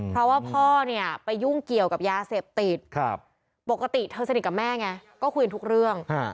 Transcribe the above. เพราะว่าพ่อเนี่ยไปยุ่งเกี่ยวกับยาเสพติดครับปกติเธอสนิทกับแม่ไง